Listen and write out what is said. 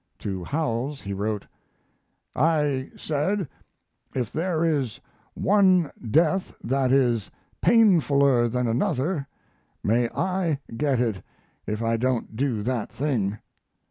To Howells he wrote: I said, "if there is one death that is painfuler than another, may I get it if I don't do that thing."